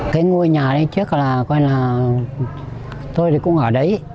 cái ngôi nhà trước là tôi cũng ở đấy